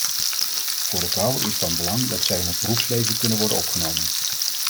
Voor de vrouwen is van belang dat zij in het beroepsleven kunnen worden opgenomen.